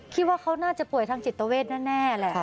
คิดว่าเขาน่าจะป่วยทางจิตเวทแน่แหละ